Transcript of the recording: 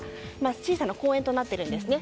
小さな公園となっているんですね。